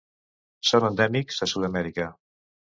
Són endèmics a Sud-amèrica.